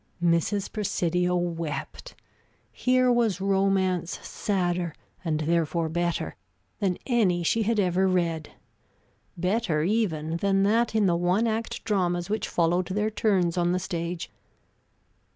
Mrs. Presidio wept. Here was romance sadder, and therefore better, than any she had ever read; better, even, than that in the one act dramas which followed their turns on the stage.